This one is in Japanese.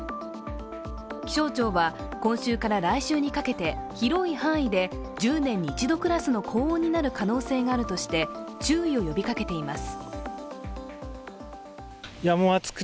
気象庁は、今週から来週にかけて広い範囲で１０年に一度クラスの高温になる可能性があるとして注意を呼びかけています。